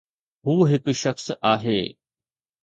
هو هڪ شخص آهي.